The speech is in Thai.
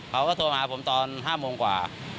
เขาก็โทรมาหาผมตอน๕โมงกว่า